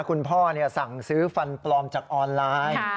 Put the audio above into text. คุณพ่อสั่งซื้อฟันปลอมจากออนไลน์